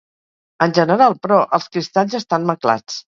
En general, però, els cristalls estan maclats.